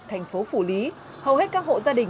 thành phố phủ lý hầu hết các hộ gia đình